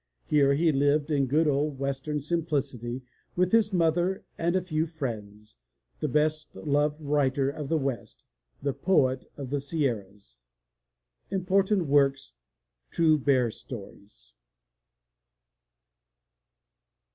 Here he lived in good old western simplicity with his mother and a few friends, the best loved writer of the West, the Poet of the Sierras. Important Works: True Bear Stories.